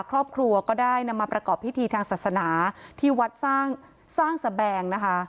ครอบครัวก็ได้นำมาประกอบพิธีทางศาสนาที่วัดสร้างสแบงนะคะ